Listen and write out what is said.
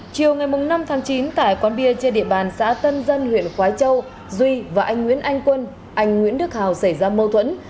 chiều ngày năm tháng chín tại quán bia trên địa bàn xã tân dân huyện khói châu duy và anh nguyễn anh quân anh nguyễn đức hào xảy ra mâu thuẫn